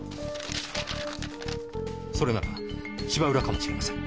それなら芝浦かもしれません。